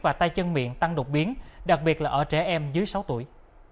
và tai chân miệng tăng độc biến đặc biệt là ở trẻ em dưới sáu tuổi